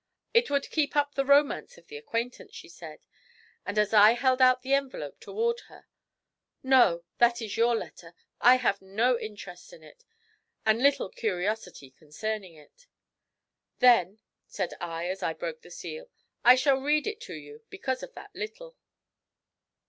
It would keep up the romance of the acquaintance, she said,' and as I held out the envelope toward her, 'No, that is your letter; I have no interest in it, and little curiosity concerning it.' 'Then,' said I, as I broke the seal, 'I shall read it to you because of that little.'